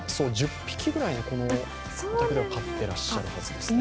１０匹ぐらい、このお宅で飼っていらっしゃるはずです。